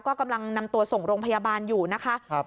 ก็กำลังนำตัวส่งโรงพยาบาลอยู่นะคะ